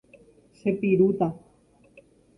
Chepirúta.